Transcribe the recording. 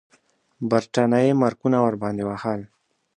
برټانیې مارکونه ورباندې وهل.